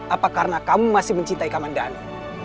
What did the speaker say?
apa karena kamu masih mencintai komandan